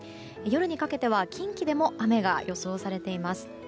夜にかけては近畿でも雨が予想されています。